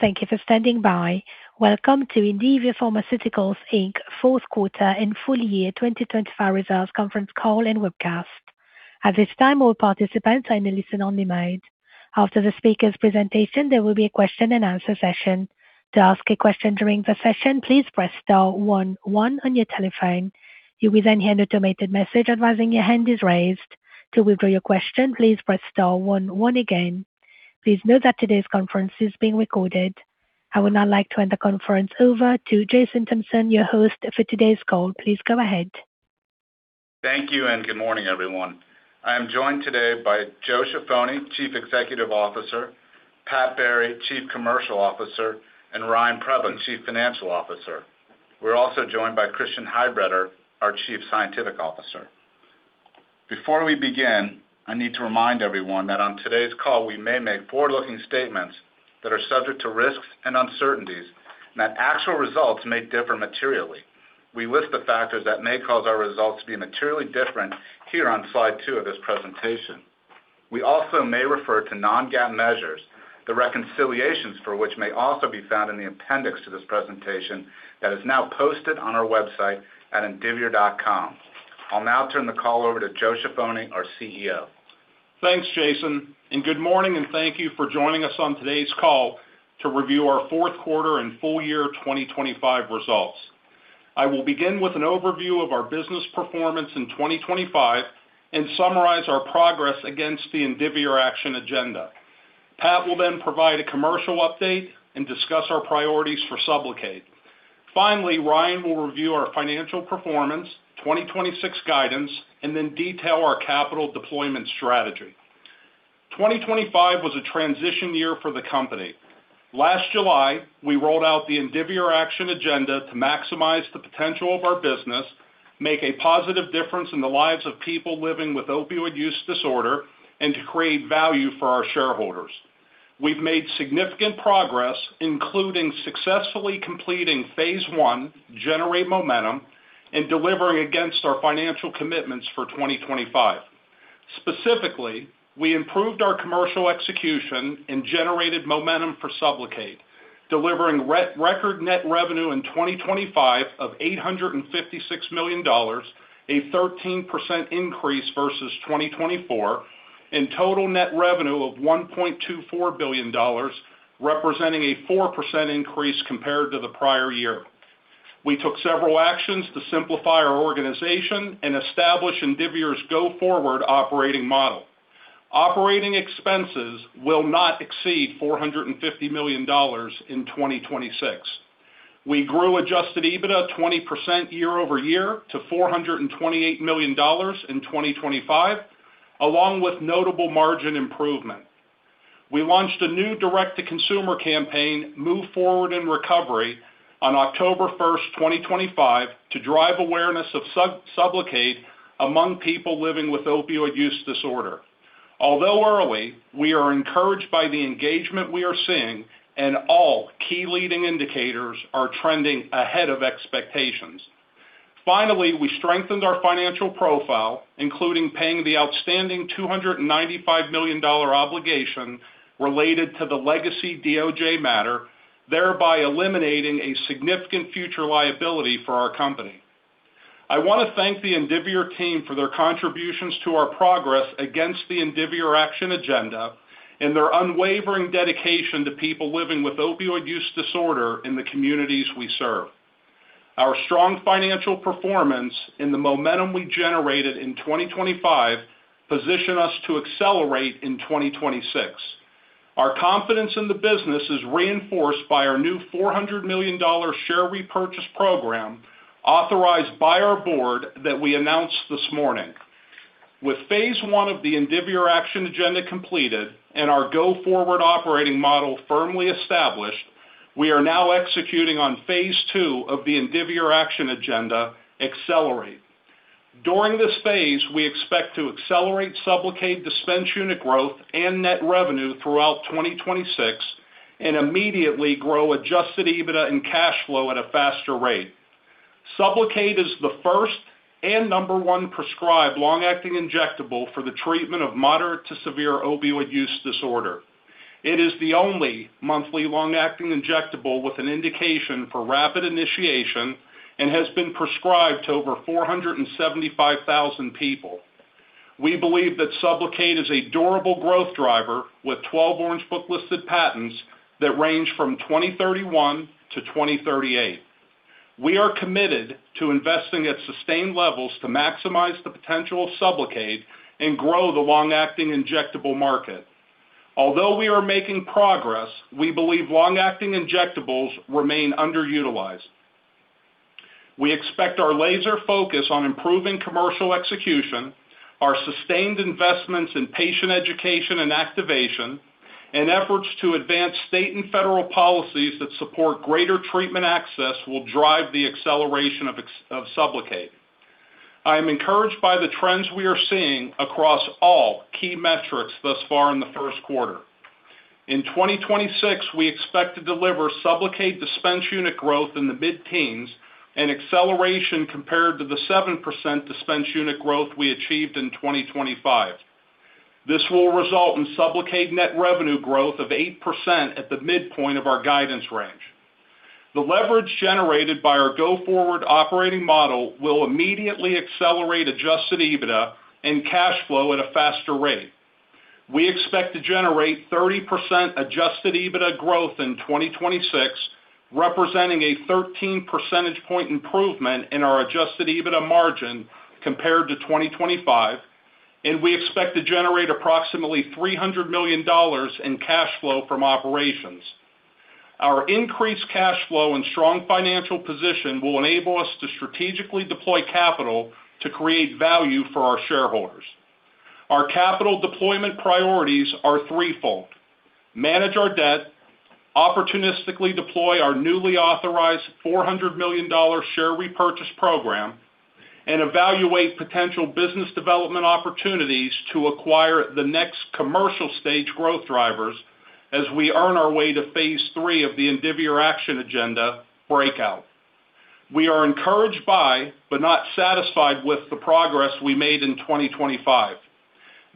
Thank you for standing by. Welcome to Indivior Pharmaceuticals, Inc.'s Q4 and full year 2025 results conference call and webcast. At this time, all participants are in a listen-only mode. After the speaker's presentation, there will be a question-and-answer session. To ask a question during the session, please press star 11 on your telephone. You will then hear an automated message advising your hand is raised. To withdraw your question, please press star 11 again. Please note that today's conference is being recorded. I would now like to hand the conference over to Jason Thompson, your host for today's call. Please go ahead. Thank you, and good morning, everyone. I am joined today by Joe Ciaffoni, Chief Executive Officer, Patrick Barry, Chief Commercial Officer, and Ryan Preblick, Chief Financial Officer. We're also joined by Christian Heidbreder, our Chief Scientific Officer. Before we begin, I need to remind everyone that on today's call, we may make forward-looking statements that are subject to risks and uncertainties, and that actual results may differ materially. We list the factors that may cause our results to be materially different here on slide 2 of this presentation. We also may refer to non-GAAP measures, the reconciliations for which may also be found in the appendix to this presentation that is now posted on our website at indivior.com. I'll now turn the call over to Joe Ciaffoni, our CEO. Thanks, Jason, good morning and thank you for joining us on today's call to review our Q4 and full year 2025 results. I will begin with an overview of our business performance in 2025 and summarize our progress against the Indivior Action Agenda. Pat will then provide a commercial update and discuss our priorities for SUBLOCADE. Finally, Ryan will review our financial performance, 2026 guidance, and then detail our capital deployment strategy. 2025 was a transition year for the company. Last July, we rolled out the Indivior Action Agenda to maximize the potential of our business, make a positive difference in the lives of people living with opioid use disorder, and to create value for our shareholders. We've made significant progress, including successfully completing phase I, generate momentum, and delivering against our financial commitments for 2025. Specifically, we improved our commercial execution and generated momentum for SUBLOCADE, delivering record net revenue in 2025 of $856 million, a 13% increase versus 2024, and total net revenue of $1.24 billion, representing a 4% increase compared to the prior year. We took several actions to simplify our organization and establish Indivior's go-forward operating model. Operating expenses will not exceed $450 million in 2026. We grew adjusted EBITDA 20% year-over-year to $428 million in 2025, along with notable margin improvement. We launched a new direct-to-consumer campaign, Move Forward in Recovery, on October 1, 2025, to drive awareness of SUBLOCADE among people living with opioid use disorder. Although early, we are encouraged by the engagement we are seeing and all key leading indicators are trending ahead of expectations. Finally, we strengthened our financial profile, including paying the outstanding $295 million obligation related to the legacy DOJ matter, thereby eliminating a significant future liability for our company. I want to thank the Indivior team for their contributions to our progress against the Indivior Action Agenda and their unwavering dedication to people living with opioid use disorder in the communities we serve. Our strong financial performance and the momentum we generated in 2025 position us to accelerate in 2026. Our confidence in the business is reinforced by our new $400 million share repurchase program authorized by our board that we announced this morning. With phase I of the Indivior Action Agenda completed and our go-forward operating model firmly established, we are now executing on phase II of the Indivior Action Agenda, Accelerate. During this phase, we expect to accelerate SUBLOCADE dispense unit growth and net revenue throughout 2026 and immediately grow adjusted EBITDA and cash flow at a faster rate. SUBLOCADE is the first and number one prescribed long-acting injectable for the treatment of moderate to severe opioid use disorder. It is the only monthly long-acting injectable with an indication for rapid initiation and has been prescribed to over 475,000 people. We believe that SUBLOCADE is a durable growth driver with 12 Orange Book-listed patents that range from 2031 to 2038. We are committed to investing at sustained levels to maximize the potential of SUBLOCADE and grow the long-acting injectable market. Although we are making progress, we believe long-acting injectables remain underutilized. We expect our laser focus on improving commercial execution, our sustained investments in patient education and activation, and efforts to advance state and federal policies that support greater treatment access will drive the acceleration of SUBLOCADE. I am encouraged by the trends we are seeing across all key metrics thus far in the Q1. In 2026, we expect to deliver SUBLOCADE dispense unit growth in the mid-teens, an acceleration compared to the 7% dispense unit growth we achieved in 2025. This will result in SUBLOCADE net revenue growth of 8% at the midpoint of our guidance range. The leverage generated by our go-forward operating model will immediately accelerate adjusted EBITDA and cash flow at a faster rate. We expect to generate 30% adjusted EBITDA growth in 2026, representing a 13 percentage point improvement in our adjusted EBITDA margin compared to 2025, and we expect to generate approximately $300 million in cash flow from operations. Our increased cash flow and strong financial position will enable us to strategically deploy capital to create value for our shareholders. Our capital deployment priorities are threefold: manage our debt, opportunistically deploy our newly authorized $400 million share repurchase program, and evaluate potential business development opportunities to acquire the next commercial stage growth drivers as we earn our way to phase III of the Indivior Action Agenda breakout. We are encouraged by, but not satisfied with, the progress we made in 2025.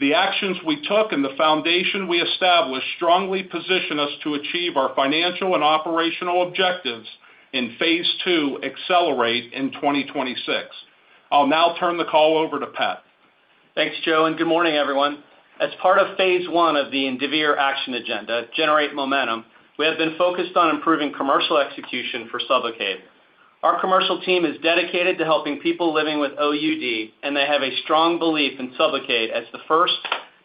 The actions we took and the foundation we established strongly position us to achieve our financial and operational objectives in phase II, accelerate, in 2026. I'll now turn the call over to Pat. Thanks, Joe, and good morning, everyone. As part of phase I of the Indivior Action Agenda, generate momentum, we have been focused on improving commercial execution for SUBLOCADE. Our commercial team is dedicated to helping people living with OUD, and they have a strong belief in SUBLOCADE as the first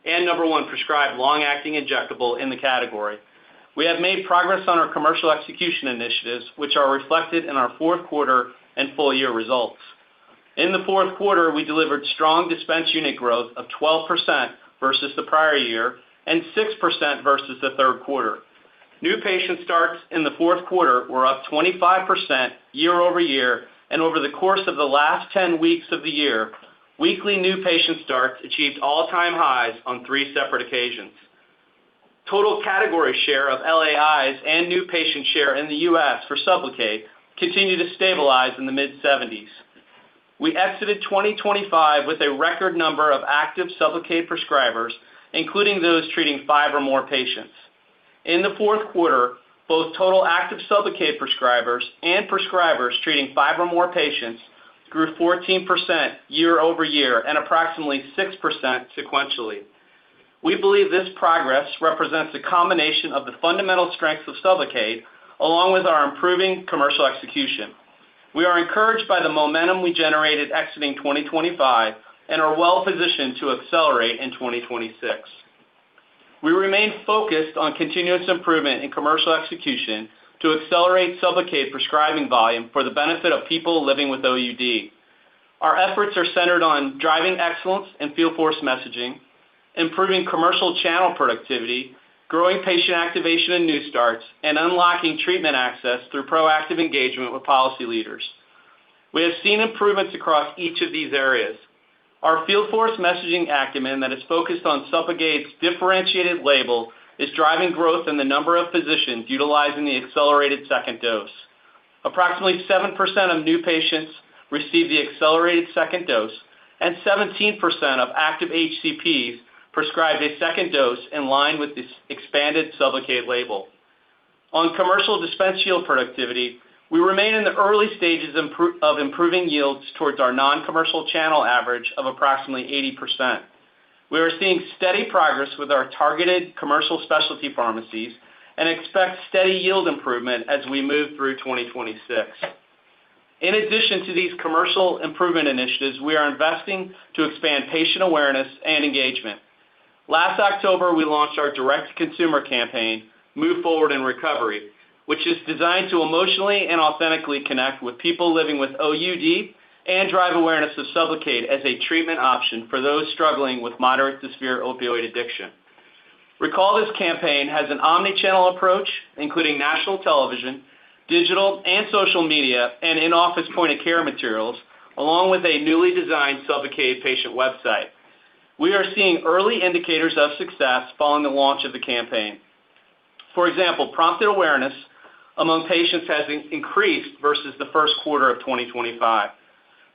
and number one prescribed long-acting injectable in the category. We have made progress on our commercial execution initiatives, which are reflected in our Q4 and full year results. In the Q4, we delivered strong dispense unit growth of 12% versus the prior year and 6% versus the Q3. New patient starts in the Q4 were up 25% year-over-year, and over the course of the last 10 weeks of the year, weekly new patient starts achieved all-time highs on three separate occasions. Total category share of LAIs and new patient share in the U.S. for SUBLOCADE continued to stabilize in the mid-70s. We exited 2025 with a record number of active SUBLOCADE prescribers, including those treating 5 or more patients. In the Q4, both total active SUBLOCADE prescribers and prescribers treating 5 or more patients grew 14% year-over-year and approximately 6% sequentially. We believe this progress represents a combination of the fundamental strengths of SUBLOCADE, along with our improving commercial execution. We are encouraged by the momentum we generated exiting 2025 and are well positioned to accelerate in 2026. We remain focused on continuous improvement in commercial execution to accelerate SUBLOCADE prescribing volume for the benefit of people living with OUD. Our efforts are centered on driving excellence and field force messaging, improving commercial channel productivity, growing patient activation and new starts, and unlocking treatment access through proactive engagement with policy leaders. We have seen improvements across each of these areas. Our field force messaging acumen that is focused on SUBLOCADE's differentiated label is driving growth in the number of physicians utilizing the accelerated second dose. Approximately 7% of new patients received the accelerated second dose, and 17% of active HCPs prescribed a second dose in line with the expanded SUBLOCADE label. On commercial dispense yield productivity, we remain in the early stages of improving yields towards our non-commercial channel average of approximately 80%. We are seeing steady progress with our targeted commercial specialty pharmacies and expect steady yield improvement as we move through 2026. In addition to these commercial improvement initiatives, we are investing to expand patient awareness and engagement. Last October, we launched our direct-to-consumer campaign, Move Forward in Recovery, which is designed to emotionally and authentically connect with people living with OUD and drive awareness of SUBLOCADE as a treatment option for those struggling with moderate to severe opioid addiction. Recall this campaign has an omni-channel approach, including national television, digital and social media, and in-office point-of-care materials, along with a newly designed SUBLOCADE patient website. We are seeing early indicators of success following the launch of the campaign. For example, prompted awareness among patients has increased versus the Q1 of 2025.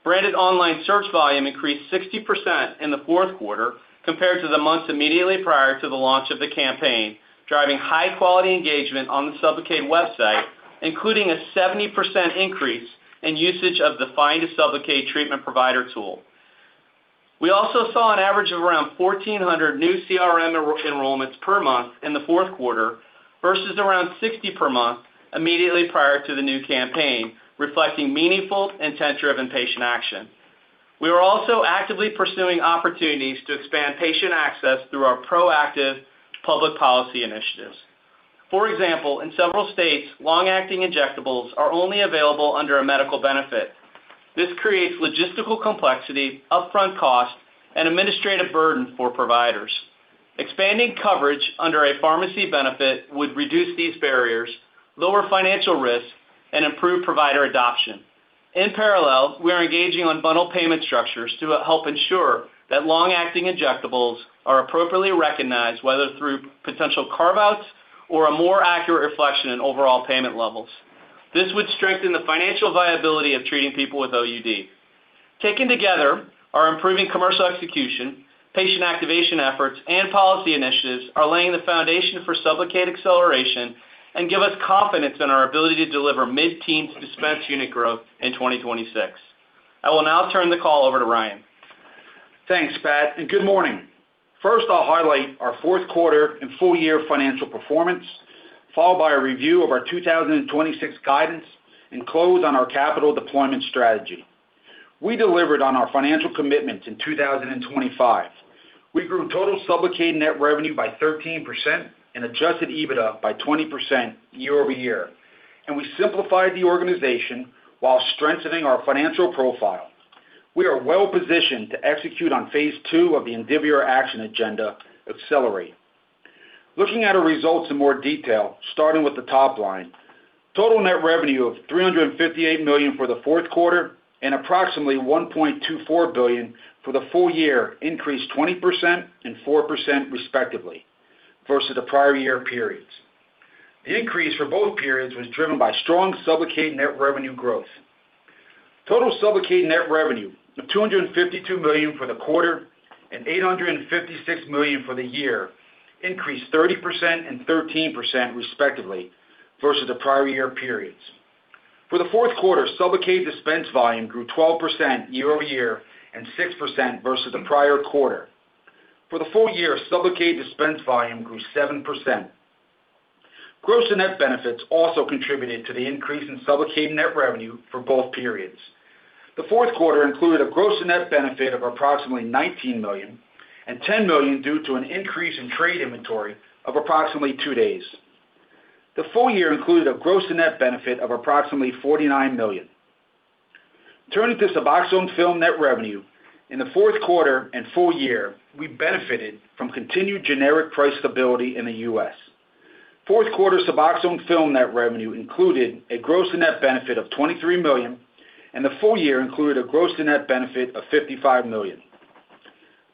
Branded online search volume increased 60% in the Q4 compared to the months immediately prior to the launch of the campaign, driving high-quality engagement on the SUBLOCADE website, including a 70% increase in usage of the Find a SUBLOCADE Treatment Provider tool. We also saw an average of around 1,400 new CRM enrollments per month in the Q4, versus around 60 per month immediately prior to the new campaign, reflecting meaningful and tenure-driven patient action. We are also actively pursuing opportunities to expand patient access through our proactive public policy initiatives. For example, in several states, long-acting injectables are only available under a medical benefit. This creates logistical complexity, upfront cost, and administrative burden for providers. Expanding coverage under a pharmacy benefit would reduce these barriers, lower financial risk, and improve provider adoption. In parallel, we are engaging on bundled payment structures to help ensure that long-acting injectables are appropriately recognized, whether through potential carve-outs or a more accurate reflection in overall payment levels. This would strengthen the financial viability of treating people with OUD. Taken together, our improving commercial execution, patient activation efforts, and policy initiatives are laying the foundation for SUBLOCADE acceleration and give us confidence in our ability to deliver mid-teens dispense unit growth in 2026. I will now turn the call over to Ryan. Thanks, Pat. Good morning. First, I'll highlight our Q4 and full year financial performance, followed by a review of our 2026 guidance, and close on our capital deployment strategy. We delivered on our financial commitments in 2025. We grew total SUBLOCADE net revenue by 13% and adjusted EBITDA by 20% year-over-year. We simplified the organization while strengthening our financial profile. We are well positioned to execute on phase II of the Indivior Action Agenda, Accelerate. Looking at our results in more detail, starting with the top line. Total net revenue of $358 million for the Q4 and approximately $1.24 billion for the full year increased 20% and 4%, respectively, versus the prior year periods. The increase for both periods was driven by strong SUBLOCADE net revenue growth. Total SUBLOCADE net revenue of $252 million for the quarter and $856 million for the year increased 30% and 13%, respectively, versus the prior year periods. For the Q4, SUBLOCADE dispense volume grew 12% year-over-year and 6% versus the prior quarter. For the full year, SUBLOCADE dispense volume grew 7%. Gross and net benefits also contributed to the increase in SUBLOCADE net revenue for both periods. The Q4 included a gross and net benefit of approximately $19 million and $10 million due to an increase in trade inventory of approximately 2 days. The full year included a gross and net benefit of approximately $49 million. Turning to SUBOXONE Film net revenue, in the Q4 and full year, we benefited from continued generic price stability in the U.S. Q4 SUBOXONE Film net revenue included a gross and net benefit of $23 million, and the full year included a gross and net benefit of $55 million.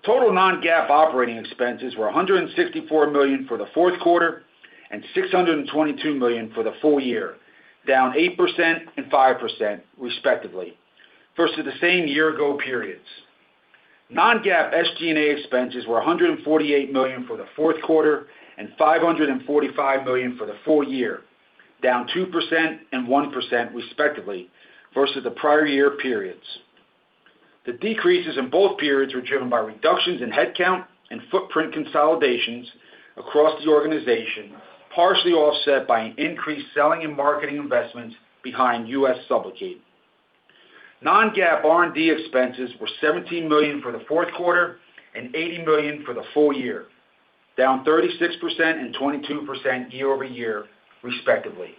Total non-GAAP operating expenses were $164 million for the Q4 and $622 million for the full year, down 8% and 5%, respectively, versus the same year-ago periods. Non-GAAP SG&A expenses were $148 million for the Q4 and $545 million for the full year, down 2% and 1%, respectively, versus the prior-year periods. The decreases in both periods were driven by reductions in headcount and footprint consolidations across the organization, partially offset by an increased selling and marketing investments behind U.S. SUBLOCADE. Non-GAAP R&D expenses were $17 million for the Q4 and $80 million for the full year, down 36% and 22% year-over-year, respectively.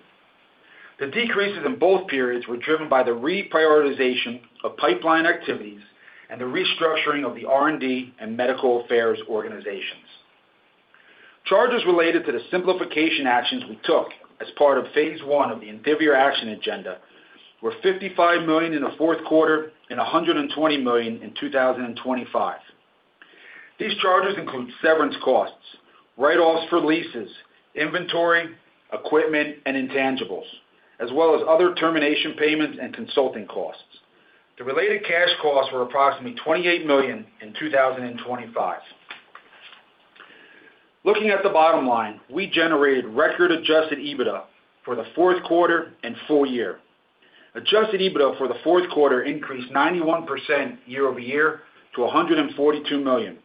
The decreases in both periods were driven by the reprioritization of pipeline activities and the restructuring of the R&D and medical affairs organizations. Charges related to the simplification actions we took as part of phase I of the Indivior Action Agenda were $55 million in the Q4 and $120 million in 2025. These charges include severance costs, write-offs for leases, inventory, equipment, and intangibles, as well as other termination payments and consulting costs. The related cash costs were approximately $28 million in 2025. Looking at the bottom line, we generated record adjusted EBITDA for the Q4 and full year. Adjusted EBITDA for the Q4 increased 91% year-over-year to $142 million.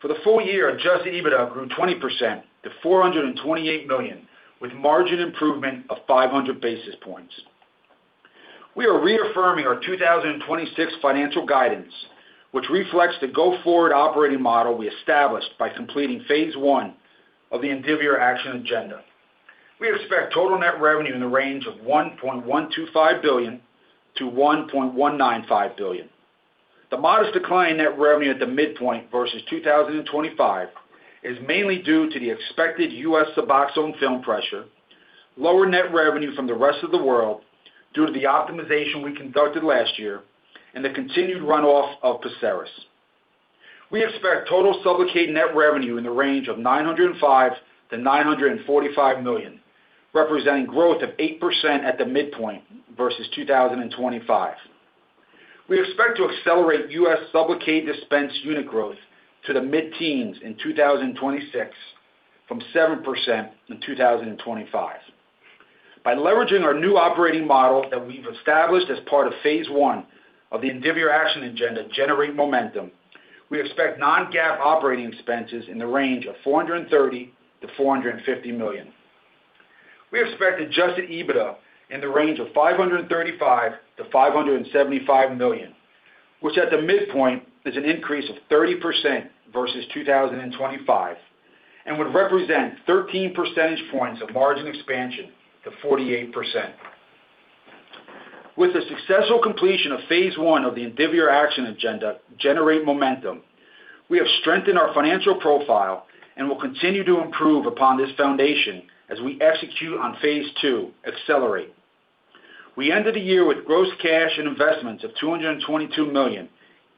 For the full year, Adjusted EBITDA grew 20% to $428 million, with margin improvement of 500 basis points. We are reaffirming our 2026 financial guidance, which reflects the go-forward operating model we established by completing phase I of the Indivior Action Agenda. We expect total net revenue in the range of $1.125 billion-$1.195 billion. The modest decline in net revenue at the midpoint versus 2025 is mainly due to the expected U.S. SUBOXONE Film pressure, lower net revenue from the rest of the world due to the optimization we conducted last year, and the continued runoff of PERSERIS. We expect total SUBLOCADE net revenue in the range of $905 million-$945 million, representing growth of 8% at the midpoint versus 2025. We expect to accelerate U.S. SUBLOCADE dispense unit growth to the mid-teens in 2026 from 7% in 2025. By leveraging our new operating model that we've established as part of phase I of the Indivior Action Agenda, Generate Momentum, we expect non-GAAP operating expenses in the range of $430 million-$450 million. We expect adjusted EBITDA in the range of $535 million-$575 million, which at the midpoint, is an increase of 30% versus 2025 and would represent 13 percentage points of margin expansion to 48%. With the successful completion of phase I of the Indivior Action Agenda, Generate Momentum, we have strengthened our financial profile and will continue to improve upon this foundation as we execute on phase II, Accelerate. We ended the year with gross cash and investments of $222 million,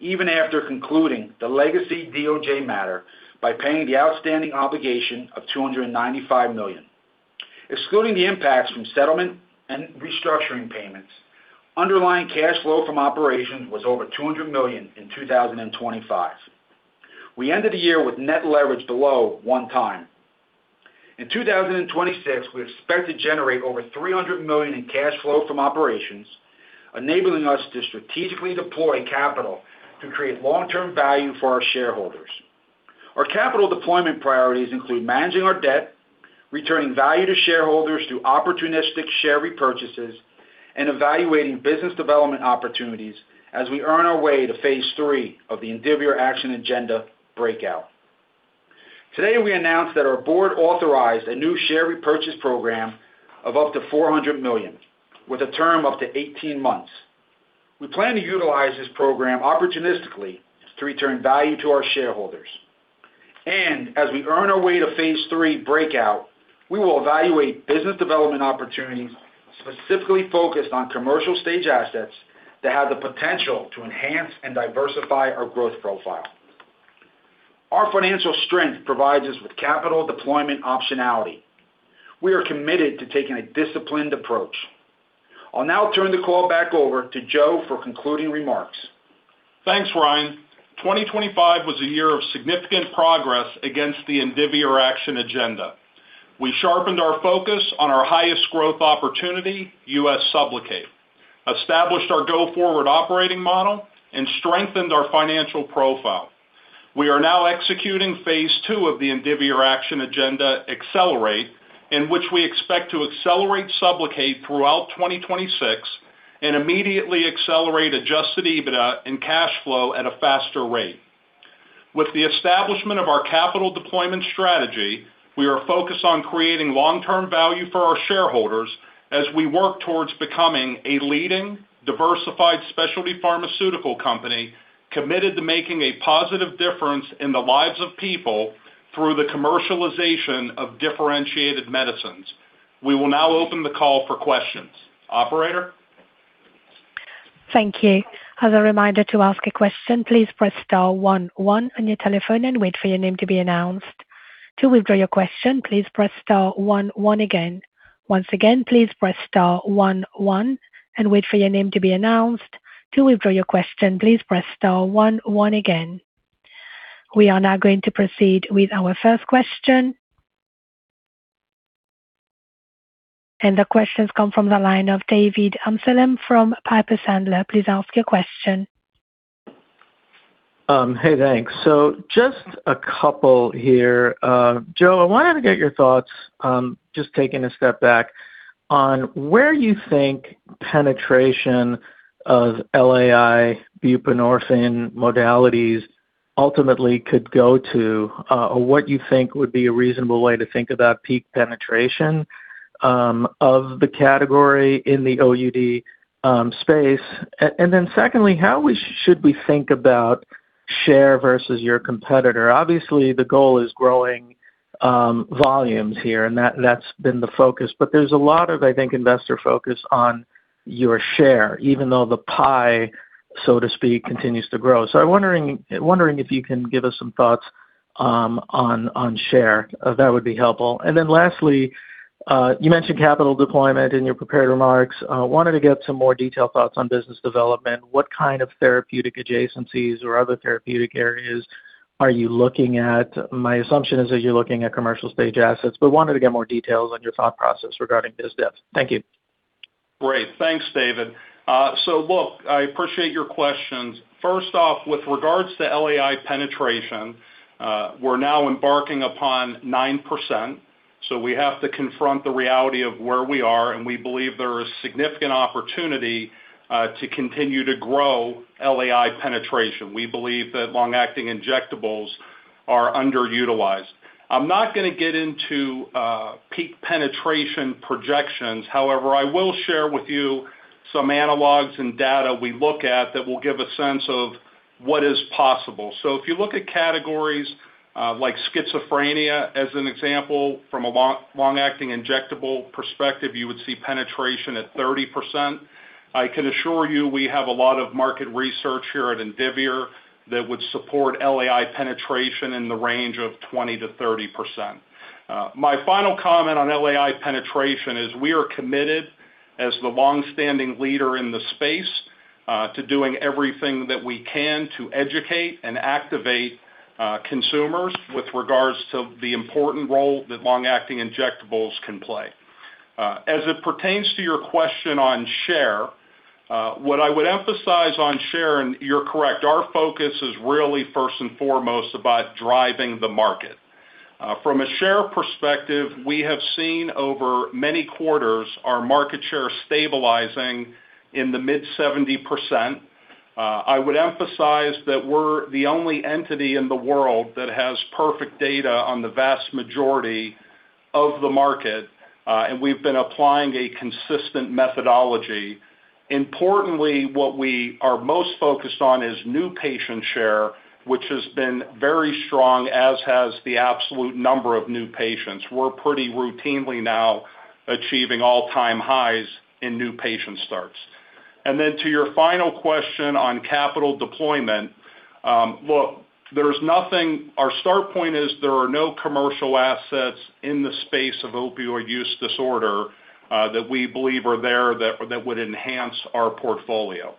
even after concluding the legacy DOJ matter by paying the outstanding obligation of $295 million. Excluding the impacts from settlement and restructuring payments, underlying cash flow from operations was over $200 million in 2025. We ended the year with net leverage below one time. In 2026, we expect to generate over $300 million in cash flow from operations, enabling us to strategically deploy capital to create long-term value for our shareholders. Our capital deployment priorities include managing our debt, returning value to shareholders through opportunistic share repurchases, and evaluating business development opportunities as we earn our way to phase III of the Indivior Action Agenda breakout. Today, we announced that our board authorized a new share repurchase program of up to $400 million, with a term up to 18 months. We plan to utilize this program opportunistically to return value to our shareholders. As we earn our way to phase III breakout, we will evaluate business development opportunities specifically focused on commercial stage assets that have the potential to enhance and diversify our growth profile. Our financial strength provides us with capital deployment optionality. We are committed to taking a disciplined approach. I'll now turn the call back over to Joe for concluding remarks. Thanks, Ryan. 2025 was a year of significant progress against the Indivior Action Agenda. We sharpened our focus on our highest growth opportunity, US SUBLOCADE, established our go-forward operating model, and strengthened our financial profile. We are now executing phase II of the Indivior Action Agenda, accelerate, in which we expect to accelerate SUBLOCADE throughout 2026 and immediately accelerate adjusted EBITDA and cash flow at a faster rate. With the establishment of our capital deployment strategy, we are focused on creating long-term value for our shareholders as we work towards becoming a leading, diversified specialty pharmaceutical company, committed to making a positive difference in the lives of people through the commercialization of differentiated medicines. We will now open the call for questions. Operator? Thank you. As a reminder to ask a question, please press star one one on your telephone and wait for your name to be announced. To withdraw your question, please press star one one again. Once again, please press star one one and wait for your name to be announced. To withdraw your question, please press star one one again. We are now going to proceed with our first question. The questions come from the line of David Amsellem from Piper Sandler. Please ask your question. Hey, thanks. Just a couple here. Joe, I wanted to get your thoughts, just taking a step back on where you think penetration of LAI buprenorphine modalities ultimately could go to, or what you think would be a reasonable way to think about peak penetration of the category in the OUD space. Then secondly, how we should we think about share versus your competitor? Obviously, the goal is growing volumes here, and that's been the focus, but there's a lot of, I think, investor focus on your share, even though the pie, so to speak, continues to grow. I'm wondering if you can give us some thoughts on share. That would be helpful. Then lastly, you mentioned capital deployment in your prepared remarks. Wanted to get some more detailed thoughts on business development. What kind of therapeutic adjacencies or other therapeutic areas are you looking at? My assumption is that you're looking at commercial stage assets, but wanted to get more details on your thought process regarding biz devs. Thank you. Great. Thanks, David. Look, I appreciate your questions. First off, with regards to LAI penetration, we're now embarking upon 9%, so we have to confront the reality of where we are, and we believe there is significant opportunity to continue to grow LAI penetration. We believe that long-acting injectables are underutilized. I'm not gonna get into peak penetration projections. However, I will share with you some analogs and data we look at that will give a sense of what is possible. If you look at categories like schizophrenia, as an example, from a long-acting injectable perspective, you would see penetration at 30%. I can assure you, we have a lot of market research here at Indivior that would support LAI penetration in the range of 20%-30%. My final comment on LAI penetration is we are committed, as the long-standing leader in the space, to doing everything that we can to educate and activate consumers with regards to the important role that long-acting injectables can play. As it pertains to your question on share, what I would emphasize on share, and you're correct, our focus is really first and foremost about driving the market. From a share perspective, we have seen over many quarters our market share stabilizing in the mid 70%. I would emphasize that we're the only entity in the world that has perfect data on the vast majority of the market, and we've been applying a consistent methodology. Importantly, what we are most focused on is new patient share, which has been very strong, as has the absolute number of new patients. We're pretty routinely now achieving all-time highs in new patient starts. To your final question on capital deployment, look, Our start point is there are no commercial assets in the space of opioid use disorder that we believe are there that would enhance our portfolio.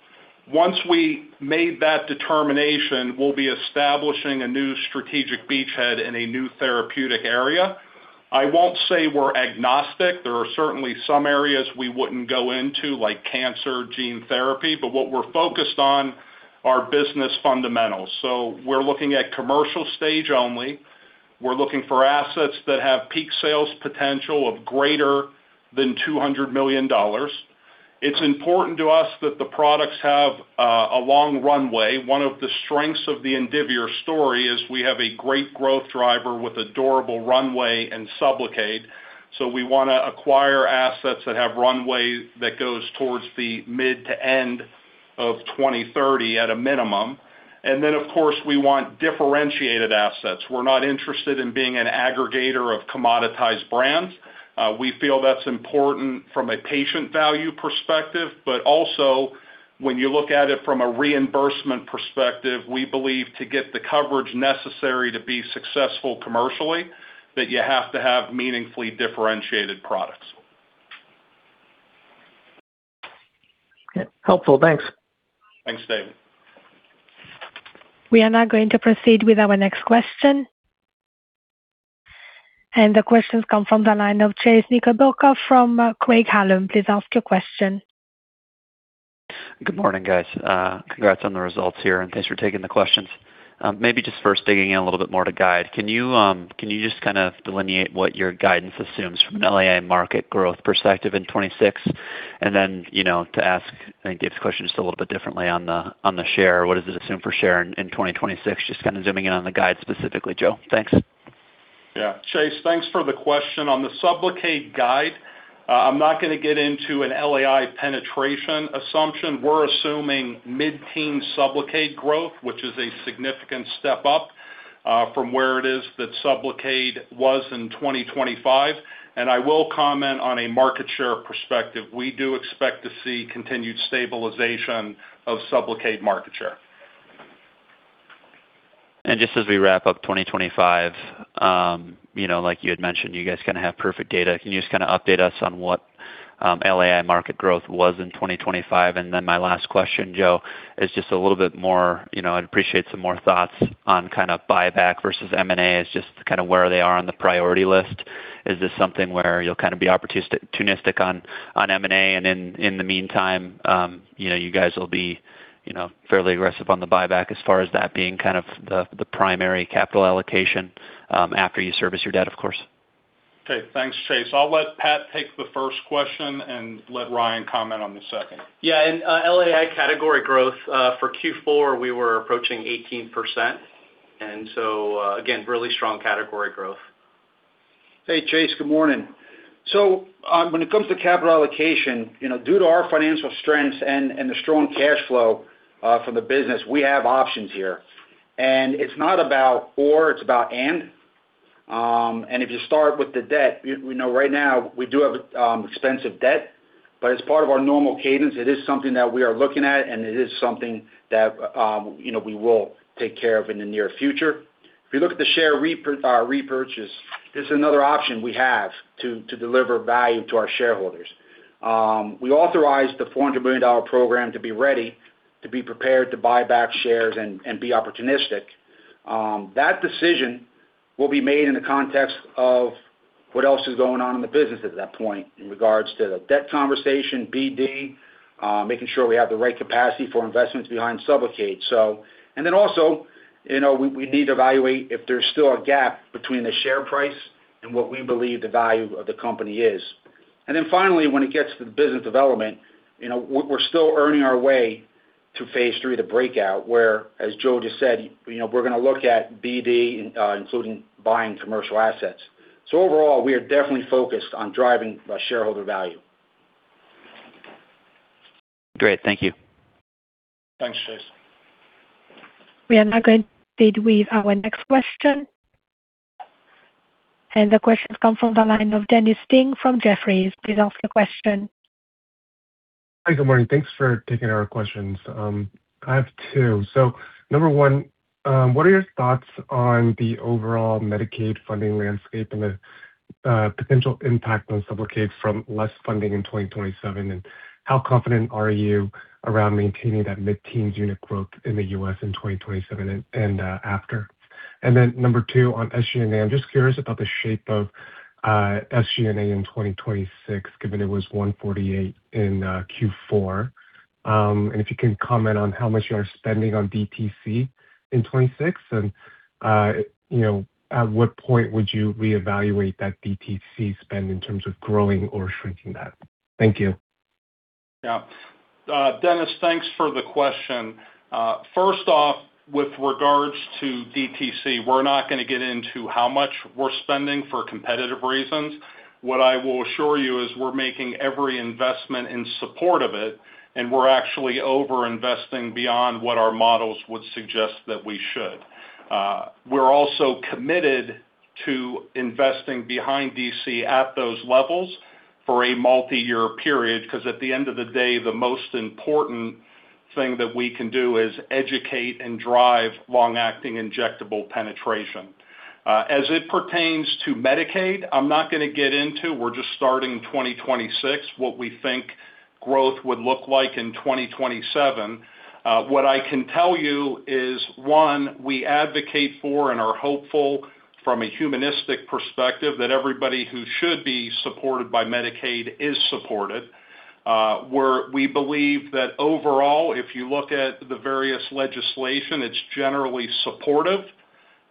Once we made that determination, we'll be establishing a new strategic beachhead in a new therapeutic area. I won't say we're agnostic. There are certainly some areas we wouldn't go into, like cancer gene therapy, but what we're focused on are business fundamentals. We're looking at commercial stage only. We're looking for assets that have peak sales potential of greater than $200 million. It's important to us that the products have a long runway. One of the strengths of the Indivior story is we have a great growth driver with a durable runway and SUBLOCADE, we wanna acquire assets that have runway that goes towards the mid to end of 2030 at a minimum. Of course, we want differentiated assets. We're not interested in being an aggregator of commoditized brands. We feel that's important from a patient value perspective, but also, when you look at it from a reimbursement perspective, we believe to get the coverage necessary to be successful commercially, that you have to have meaningfully differentiated products. Okay. Helpful. Thanks. Thanks, David. We are now going to proceed with our next question. The question comes from the line of Chase Knickerbocker from Craig-Hallum. Please ask your question. Good morning, guys. Congrats on the results here, thanks for taking the questions. Maybe just first digging in a little bit more to guide. Can you just kind of delineate what your guidance assumes from an LAI market growth perspective in 2026? Then, you know, to ask, I think, this question just a little bit differently on the share, what does it assume for share in 2026? Just kind of zooming in on the guide specifically, Joe. Thanks. Yeah. Chase, thanks for the question. On the SUBLOCADE guide, I'm not gonna get into an LAI penetration assumption. We're assuming mid-teen SUBLOCADE growth, which is a significant step up from where it is that SUBLOCADE was in 2025. I will comment on a market share perspective. We do expect to see continued stabilization of SUBLOCADE market share. Just as we wrap up 2025, you know, like you had mentioned, you guys kinda have perfect data. Can you just kinda update us on what LAI market growth was in 2025? My last question, Joe, is just a little bit more, you know, I'd appreciate some more thoughts on kind of buyback versus M&A. It's just kind of where they are on the priority list. Is this something where you'll kind of be opportunistic on M&A, and then in the meantime, you know, you guys will be, you know, fairly aggressive on the buyback as far as that being kind of the primary capital allocation after you service your debt, of course? Okay, thanks, Chase. I'll let Pat take the first question and let Ryan comment on the second. Yeah, in LAI category growth, for Q4, we were approaching 18%. Again, really strong category growth. Hey, Chase, good morning. When it comes to capital allocation, you know, due to our financial strength and the strong cash flow from the business, we have options here. It's not about or, it's about and. If you start with the debt, you know, right now we do have expensive debt, but as part of our normal cadence, it is something that we are looking at, and it is something that, you know, we will take care of in the near future. If you look at the share repurchase, this is another option we have to deliver value to our shareholders. We authorized the $400 million program to be ready to be prepared to buy back shares and be opportunistic. That decision will be made in the context of what else is going on in the business at that point in regards to the debt conversation, BD, making sure we have the right capacity for investments behind SUBLOCADE. And then also, you know, we need to evaluate if there's still a gap between the share price and what we believe the value of the company is. And then finally, when it gets to the business development, you know, we're still earning our way to phase III, the breakout, where, as Joe Ciaffoni just said, you know, we're gonna look at BD, including buying commercial assets. Overall, we are definitely focused on driving shareholder value. Great. Thank you. Thanks, Chase. We are now going to proceed with our next question. The question comes from the line of Dennis Ding from Jefferies. Please ask your question. Hi, good morning. Thanks for taking our questions. I have two. Number one, what are your thoughts on the overall Medicaid funding landscape and the potential impact on SUBLOCADE from less funding in 2027? How confident are you around maintaining that mid-teen unit growth in the U.S. in 2027 and after? Number two, on SG&A, I'm just curious about the shape of SG&A in 2026, given it was $148 in Q4. If you can comment on how much you are spending on DTC in 2026, and, you know, at what point would you reevaluate that DTC spend in terms of growing or shrinking that? Thank you. Yeah. Dennis, thanks for the question. With regards to DTC, we're not going to get into how much we're spending for competitive reasons. What I will assure you is we're making every investment in support of it, and we're actually over-investing beyond what our models would suggest that we should. We're also committed to investing behind DTC at those levels for a multi-year period, because at the end of the day, the most important thing that we can do is educate and drive long-acting injectable penetration. As it pertains to Medicaid, I'm not going to get into, we're just starting 2026, what we think growth would look like in 2027. What I can tell you is, 1, we advocate for and are hopeful from a humanistic perspective, that everybody who should be supported by Medicaid is supported. We believe that overall, if you look at the various legislation, it's generally supportive,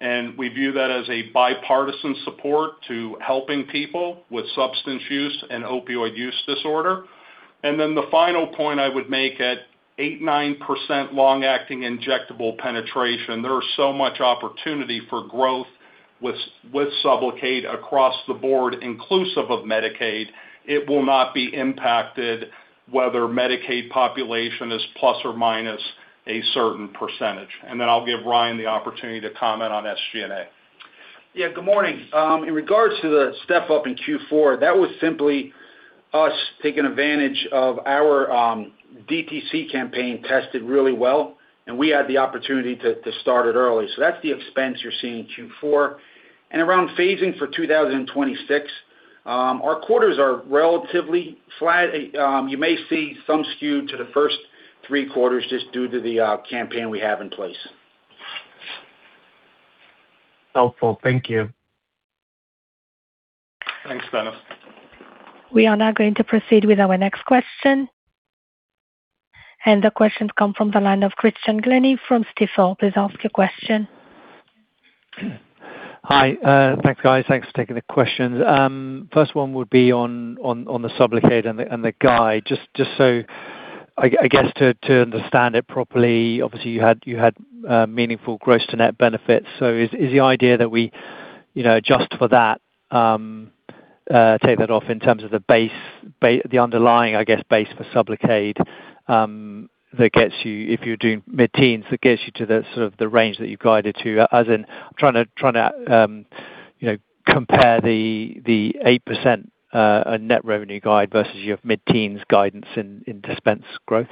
we view that as a bipartisan support to helping people with substance use and opioid use disorder. The final point I would make, at 8, 9% long-acting injectable penetration, there is so much opportunity for growth with SUBLOCADE across the board, inclusive of Medicaid. It will not be impacted whether Medicaid population is ± a certain %. I'll give Ryan the opportunity to comment on SG&A. Yeah, good morning. In regards to the step-up in Q4, that was simply us taking advantage of our DTC campaign, tested really well, and we had the opportunity to start it early. That's the expense you're seeing in Q4. Around phasing for 2026, our quarters are relatively flat. You may see some skew to the first three quarters just due to the campaign we have in place. Helpful. Thank you. Thanks, Dennis. We are now going to proceed with our next question. The question comes from the line of Christian Glennie from Stifel. Please ask your question. Hi, thanks, guys. Thanks for taking the questions. First one would be on SUBLOCADE and the guide. Just so I guess to understand it properly, obviously, you had meaningful gross to net benefits. Is the idea that we, you know, adjust for that, take that off in terms of the base, the underlying, I guess, base for SUBLOCADE, that gets you, if you're doing mid-teens, that gets you to the sort of the range that you've guided to? As in, trying to, you know, compare the 8% net revenue guide versus your mid-teens guidance in dispense growth.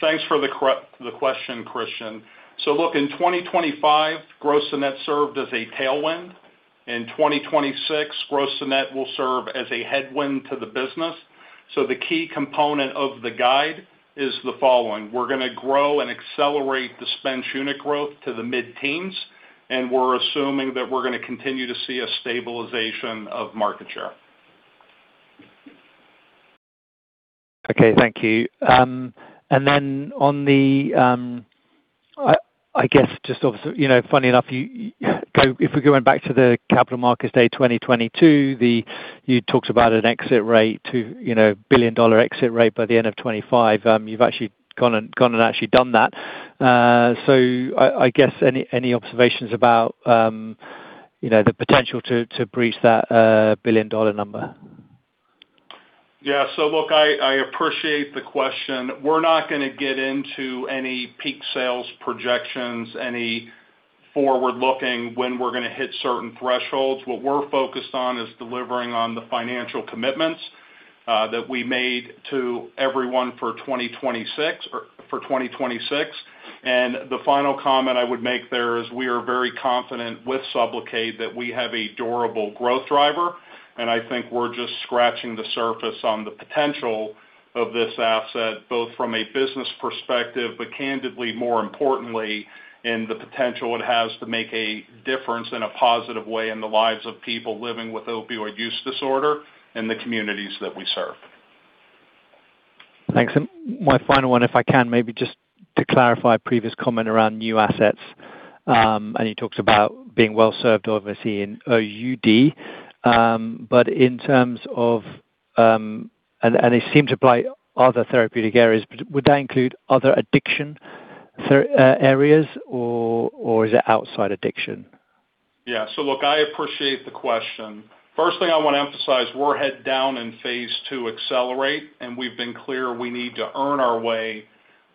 Thanks for the question, Christian. look, in 2025, gross to net served as a tailwind. In 2026, gross to net will serve as a headwind to the business. The key component of the guide is the following: We're going to grow and accelerate dispense unit growth to the mid-teens, and we're assuming that we're going to continue to see a stabilization of market share. Okay, thank you. Then on the, I guess, just obviously, you know, funny enough, if we're going back to the capital markets day 2022, you talked about an exit rate to, you know, billion-dollar exit rate by the end of 2025. You've actually gone and actually done that. I guess, any observations about, you know, the potential to breach that billion-dollar number? I appreciate the question. We're not going to get into any peak sales projections, any forward-looking, when we're going to hit certain thresholds. What we're focused on is delivering on the financial commitments that we made to everyone for 2026, or for 2026. The final comment I would make there is we are very confident with SUBLOCADE that we have a durable growth driver, and I think we're just scratching the surface on the potential of this asset, both from a business perspective, but candidly, more importantly, in the potential it has to make a difference in a positive way in the lives of people living with opioid use disorder and the communities that we serve. Thanks. My final one, if I can, maybe just to clarify a previous comment around new assets. You talked about being well-served, obviously, in OUD, in terms of it seemed to apply other therapeutic areas. Would that include other addiction therapeutic areas, or is it outside addiction? I appreciate the question. First thing I want to emphasize, we're head down in phase II accelerate, and we've been clear we need to earn our way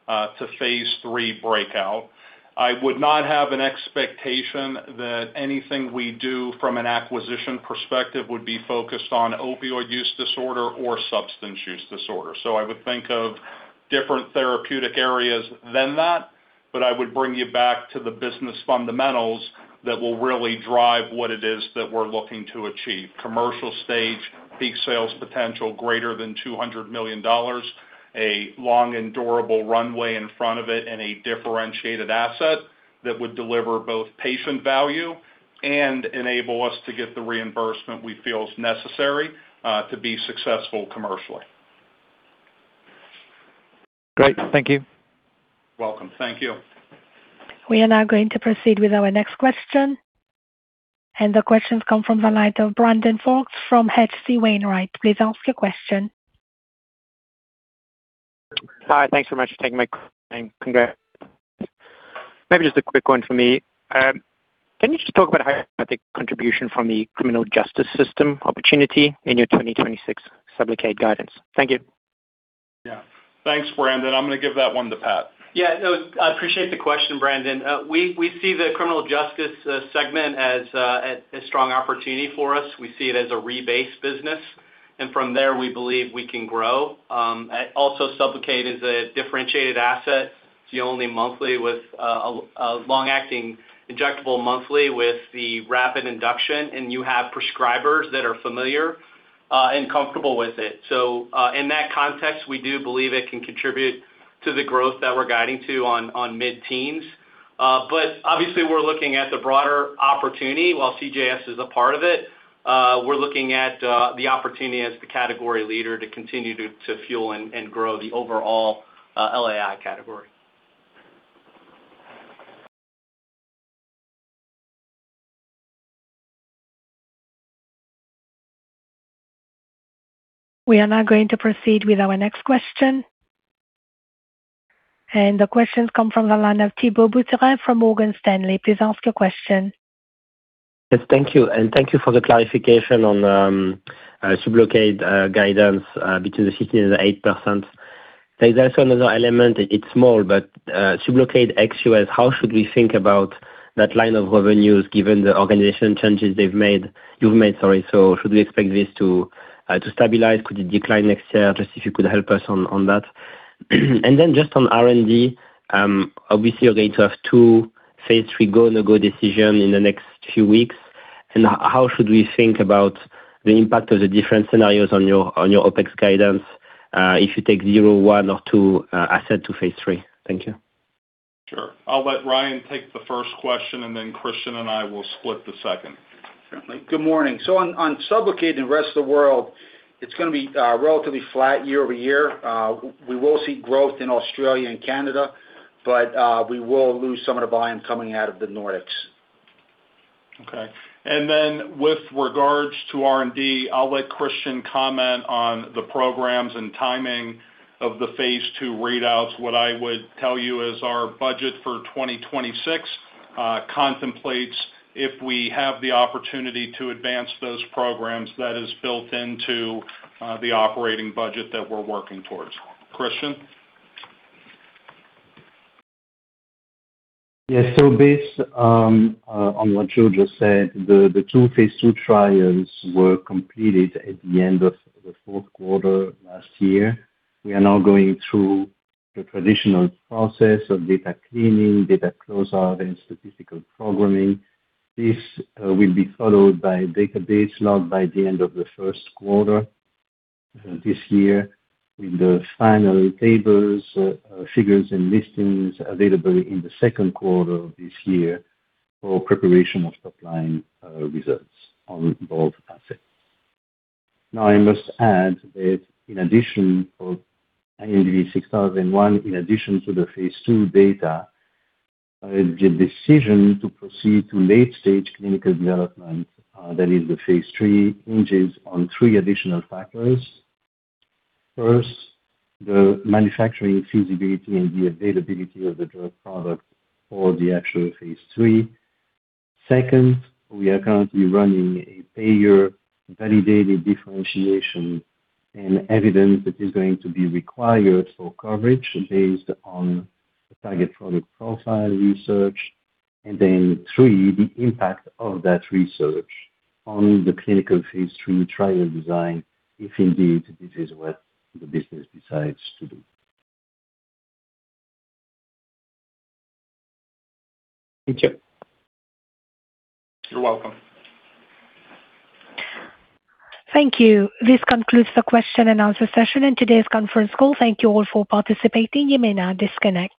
to phase III breakout. I would not have an expectation that anything we do from an acquisition perspective would be focused on opioid use disorder or substance use disorder. I would think of different therapeutic areas than that, but I would bring you back to the business fundamentals that will really drive what it is that we're looking to achieve. Commercial stage, peak sales potential greater than $200 million, a long and durable runway in front of it, and a differentiated asset that would deliver both patient value and enable us to get the reimbursement we feel is necessary to be successful commercially. Great. Thank you. Welcome. Thank you. We are now going to proceed with our next question. The questions come from the line of Brandon Folkes from H.C. Wainwright. Please ask your question. Hi. Thanks so much for taking my call. Congrats. Maybe just a quick one for me. Can you just talk about how you think contribution from the criminal justice system opportunity in your 2026 SUBLOCADE guidance? Thank you. Yeah. Thanks, Brandon. I'm gonna give that one to Pat. Yeah, no, I appreciate the question, Brandon. We see the criminal justice segment as a strong opportunity for us. We see it as a rebase business. From there, we believe we can grow. Also, SUBLOCADE is a differentiated asset. It's the only monthly with a long-acting injectable monthly with the rapid induction. You have prescribers that are familiar and comfortable with it. In that context, we do believe it can contribute to the growth that we're guiding to on mid-teens. Obviously, we're looking at the broader opportunity. While CJS is a part of it, we're looking at the opportunity as the category leader to continue to fuel and grow the overall LAI category. We are now going to proceed with our next question. The question's come from the line of Thibault Boutherin from Morgan Stanley. Please ask your question. Yes, thank you. Thank you for the clarification on SUBLOCADE guidance between 50% and 8%. There's also another element, it's small, but SUBLOCADE ex U.S., how should we think about that line of revenues given the organization changes they've made, you've made, sorry. Should we expect this to stabilize? Could it decline next year? Just if you could help us on that. Just on R&D, obviously you're going to have 2 phase III go-no-go decisions in the next few weeks. How should we think about the impact of the different scenarios on your OpEx guidance if you take 0, 1, or 2 assets to phase III? Thank you. Sure. I'll let Ryan take the first question, and then Christian and I will split the second. Certainly. Good morning. On SUBLOCADE and the rest of the world, it's gonna be relatively flat year-over-year. We will see growth in Australia and Canada, but we will lose some of the volume coming out of the Nordics. Okay. With regards to R&D, I'll let Christian comment on the programs and timing of the phase II readouts. What I would tell you is our budget for 2026 contemplates if we have the opportunity to advance those programs, that is built into the operating budget that we're working towards. Christian? Yes. Based on what Joe just said, the two phase II trials were completed at the end of the Q4 last year. We are now going through the traditional process of data cleaning, data closeout, and statistical programming. This will be followed by a database log by the end of the Q1 this year, with the final tables, figures, and listings available in the Q2 of this year for preparation of top-line results on both assets. I must add that in addition of INDV-6001, in addition to the phase II data, the decision to proceed to late-stage clinical development, that is the phase III, hinges on three additional factors. First, the manufacturing feasibility and the availability of the drug product for the actual phase III. Second, we are currently running a payer-validated differentiation and evidence that is going to be required for coverage based on the target product profile research. Three, the impact of that research on the clinical phase III trial design, if indeed, this is what the business decides to do. Thank you. You're welcome. Thank you. This concludes the question and answer session and today's conference call. Thank you all for participating. You may now disconnect.